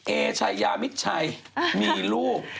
เอชายามิดชัยมีลูก